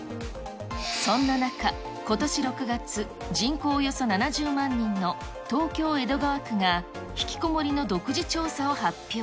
そんな中、ことし６月、人口およそ７０万人の東京・江戸川区がひきこもりの独自調査を発表。